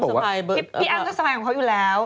ปีอั้งสม่ายอยู่แล้ว